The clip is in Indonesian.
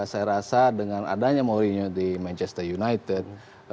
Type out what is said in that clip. saya rasa dengan adanya mourinho di manchester united